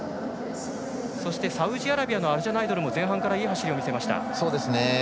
そしてサウジアラビアのアルジャナイドルも前半からいい走りを見せました。